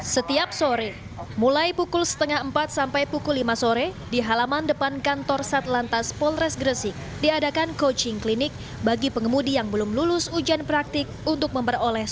setiap sore mulai pukul setengah empat sampai pukul lima sore di halaman depan kantor satlantas polres gresik diadakan coaching klinik bagi pengemudi yang belum lulus ujian praktik untuk memperoleh